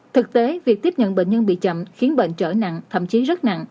thực tế việc tiếp nhận bệnh nhân bị chậm khiến bệnh trở nặng thậm chí rất nặng